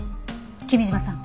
君嶋さん。